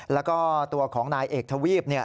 แล้วก็ตัวของนายเอกทวีป